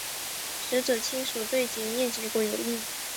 死者亲属对检验结果有异。